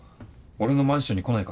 俺のマンションに来ないか？